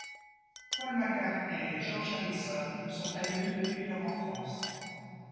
Paul McCartney et George Harrison sont amis depuis leur enfance.